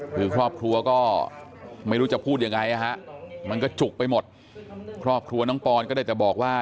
คือครอบครัวก็ไม่รู้จะพูดยังไงนะฮะมันก็จุกไปหมดครอบครัวน้องปอนก็ได้แต่บอกว่า